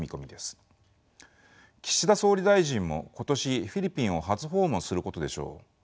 岸田総理大臣も今年フィリピンを初訪問することでしょう。